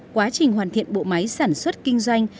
quá trình hoàn thiện bộ máy sản xuất kinh doanh